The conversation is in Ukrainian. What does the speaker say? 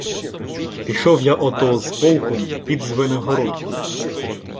— Пішов я ото з полком під Звенигородку.